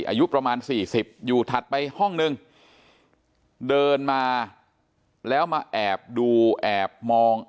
อายุประมาณ๔๐อยู่ถัดไปห้องนึงเดินมาแล้วมาแอบดูแอบมอง